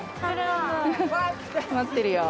「待ってるよ」。